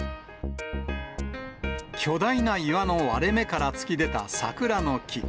巨大な岩の割れ目から突き出た桜の木。